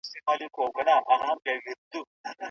د لويي جرګې غونډي ولي په ژوندۍ بڼه خپریږي؟